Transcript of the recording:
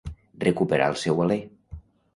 Recuperar el seu alé.